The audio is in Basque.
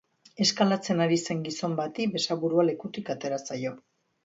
Eskalatzen ari zen gizon bati besaburua lekutik atera zaio.